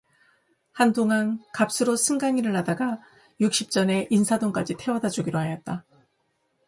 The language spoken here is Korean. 한동안 값으로 승강이를 하다가 육십 전에 인사동까지 태워다 주기로 하였다.